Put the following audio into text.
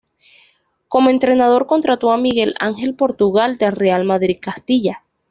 Como entrenador contrató a Miguel Ángel Portugal del Real Madrid Castilla.